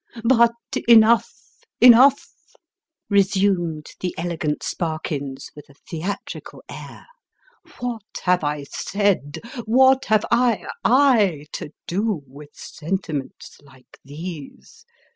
" But enough enough !" resumed the elegant Sparkius, with a theatrical air. " What have I said ? what have I I to do with sentiments like these!